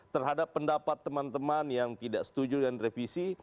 terhadap pendapat teman teman yang tidak setuju dengan revisi